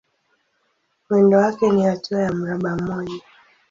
Mwendo wake ni hatua ya mraba mmoja.